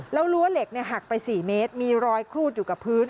แล้วรั้วเหล็กหักไป๔เมตรมีรอยครูดอยู่กับพื้น